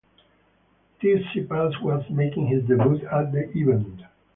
Tsitsipas was making his debut at the event.